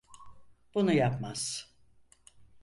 Bunu yapmaz.